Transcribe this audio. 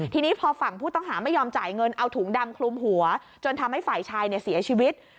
ทีนี้พอฝั่งผู้ต้องหาไม่ยอมจ่ายเงินเอาถุงดำคลุมหัวจนทำให้ฝ่ายชายเสียชีวิต